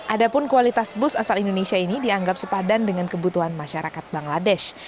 adapun kualitas bus asal indonesia ini dianggap sepadan dengan kebutuhan masyarakat bangladesh